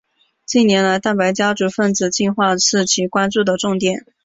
近年来蛋白家族分子进化是其关注的重点。